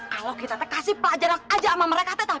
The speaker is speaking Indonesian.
kalau kita teh kasih pelajaran aja sama mereka teh